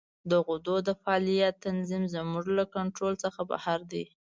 د غدو د فعالیت تنظیم زموږ له کنترول څخه بهر دی.